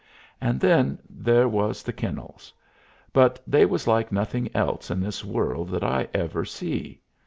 And then there was the kennels; but they was like nothing else in this world that ever I see.